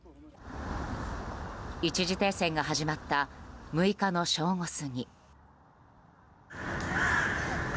一時停戦が始まった６日の正午過ぎ。